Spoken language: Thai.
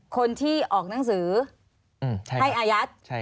คนที่ออกหนังสือให้อายัด